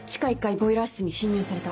ボイラー室に侵入された。